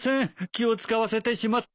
気を使わせてしまって。